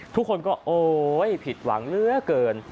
ทุกคนก็โอ๊ยผิดหวังเหลือเกิน